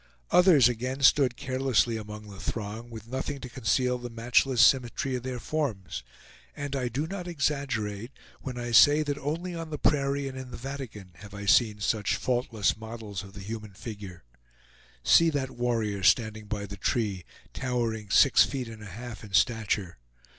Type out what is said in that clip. Others again stood carelessly among the throng, with nothing to conceal the matchless symmetry of their forms; and I do not exaggerate when I say that only on the prairie and in the Vatican have I seen such faultless models of the human figure. See that warrior standing by the tree, towering six feet and a half in stature.